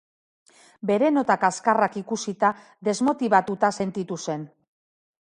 Bere nota kaxkarrak ikusita, desmotibatuta sentitu zen.